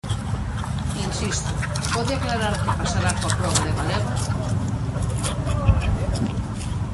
Insisto, ¿pode aclarar que pasará coa proba de galego?